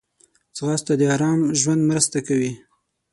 ځغاسته د آرام ژوند مرسته کوي